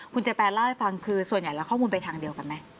คุณเจแปนเล่าให้ฟังคือส่วนใหญ่แล้วข้อมูลไปทางเดียวกันไหม